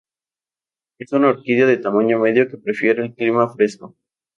Es una orquídea de tamaño medio que prefiere el clima fresco.